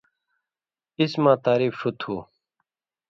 اسماں تعریف ݜُو تُھو